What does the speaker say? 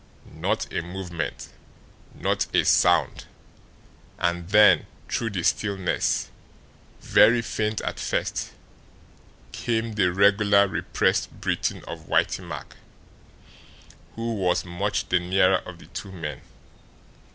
Not a movement, not a sound, and then, through the stillness, very faint at first, came the regular, repressed breathing of Whitey Mack, who was much the nearer of the two men.